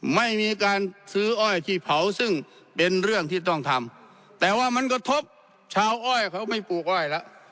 ไม่มีการซื้ออ้อยที่เผาซึ่งเป็นเรื่องที่ต้องทำแต่ว่ามันกระทบชาวอ้อยเขาไม่ปลูกอ้อยแล้ว